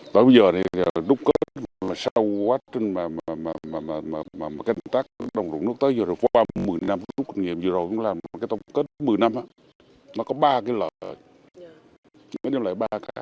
tới bây giờ đúc kết sau quá trình kết tắc đồng lũ nước qua một mươi năm đúc kết vừa rồi cũng làm tổng kết một mươi năm nó có ba cái lợi